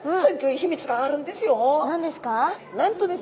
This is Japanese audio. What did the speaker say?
秘密があるんですよ。